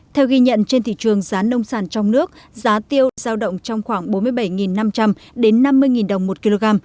theo ghi nhận trên thị trường giá nông sản trong nước giá tiêu giao động trong khoảng bốn mươi bảy năm trăm linh đến năm mươi đồng một kg